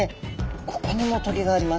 ここにもトゲがあります。